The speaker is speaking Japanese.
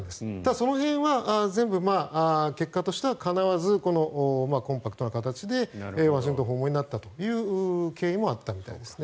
その辺は全部結果としてはかなわず、コンパクトな形でワシントン訪問になったという経緯もあったみたいですね。